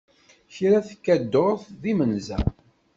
Kra tekka ddurt d imzenza.